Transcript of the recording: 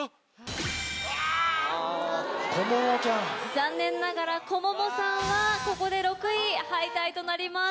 残念ながらＫｏｍｏｍｏさんはここで６位敗退となります。